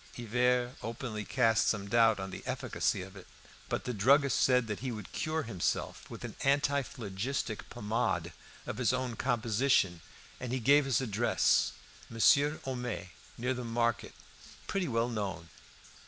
Hivert openly cast some doubt on the efficacy of it. But the druggist said that he would cure himself with an antiphlogistic pomade of his own composition, and he gave his address "Monsieur Homais, near the market, pretty well known."